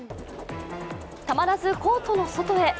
たまらずコートの外へ。